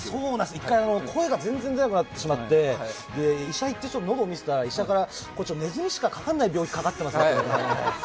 １回、声が全然出なくなってしまって、医者行って喉を見せたらネズミしかかからない病気かかってますねって。